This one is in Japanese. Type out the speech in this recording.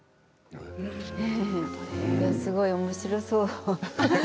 すごいおもしろそう。